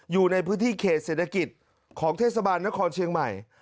อยู่ในพื้นที่เขตเศรษฐกิจของเทศบาลนครเชียงใหม่